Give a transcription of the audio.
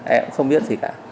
em không biết gì cả